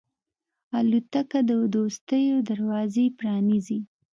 الوتکه د دوستیو دروازې پرانیزي.